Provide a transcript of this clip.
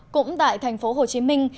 cũng tại thành phố hồ chí minh